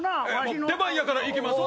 出番やから行きますわ。